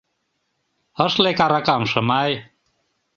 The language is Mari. — Ыш лек аракам, Шымай.